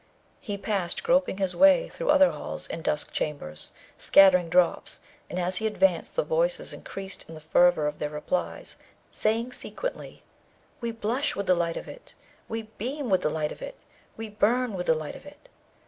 He passed, groping his way through other halls and dusk chambers, scattering drops, and as he advanced the voices increased in the fervour of their replies, saying sequently: 'We blush with the light of it; We beam with the light of it; We burn with the light of it.'